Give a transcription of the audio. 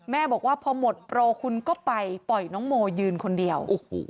บอกว่าพอหมดโปรคุณก็ไปปล่อยน้องโมยืนคนเดียว